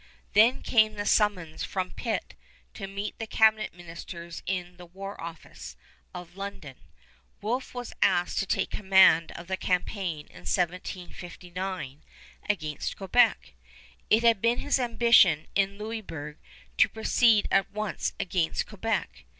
Then came the summons from Pitt to meet the cabinet ministers in the war office of London. Wolfe was asked to take command of the campaign in 1759 against Quebec. It had been his ambition in Louisburg to proceed at once against Quebec.